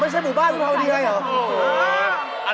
ไม่ใช่หมู่บ้านวิพาวดีมั้ย